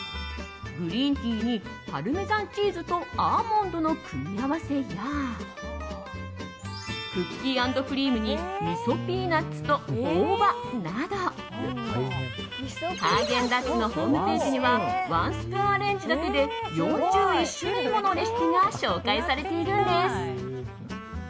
グリーンティーにパルメザンチーズとアーモンドの組み合わせやクッキー＆クリームにみそピーナツと大葉などハーゲンダッツのホームページにはワンスプーンアレンジだけで４１種類ものレシピが紹介されているんです。